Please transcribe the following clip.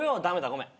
ごめん。